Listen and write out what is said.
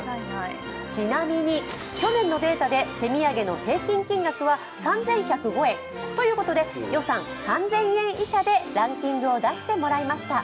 ちなみに去年のデータで手土産の平均金額は３１０５円。ということで予算３０００円以下でランキングを出してもらいました。